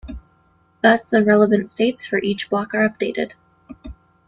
Thus, the "relevant states" for each block are updated.